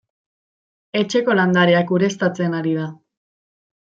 Etxeko landareak ureztatzen ari da.